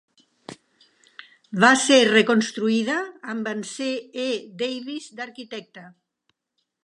Va ser reconstruïda, amb en C. E. Davis d"arquitecte.